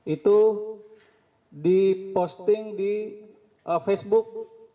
itu diposting di facebook